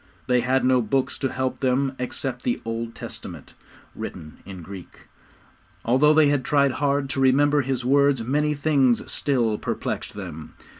They had no books to help them except the Old Testament, written in Greek. Although they had tried hard to remember his words, many things still perplexed them.